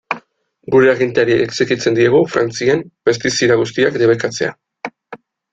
Gure agintariei exijitzen diegu Frantzian pestizida guztiak debekatzea.